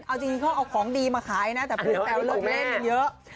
เอาจริงก็เอาของดีมาขายนะแต่บรูปแต่วเลิกเล่นเยอะ